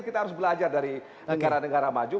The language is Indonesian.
dari negara negara maju